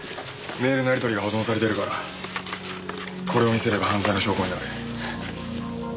メールのやり取りが保存されてるからこれを見せれば犯罪の証拠になる。